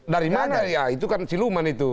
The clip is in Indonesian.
dari mana ya itu kan siluman itu